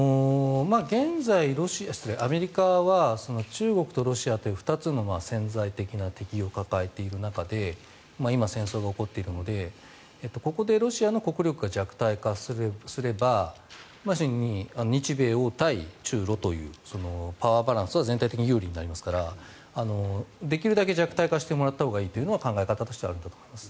現在アメリカは中国とロシアという２つの潜在的な敵を抱えている中で今、戦争が起こっているのでここでロシアの国力が弱体化すれば日米欧対中ロというパワーバランスは全体的に有利になりますからできるだけ弱体化してもらったほうがいいというのは考え方としてあるんだと思います。